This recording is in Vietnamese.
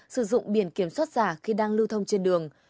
sử dụng biển kiểm soát giả khi đang lưu thông trên đường